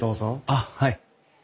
あっはい。